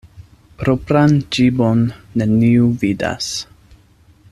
Propran ĝibon neniu vidas.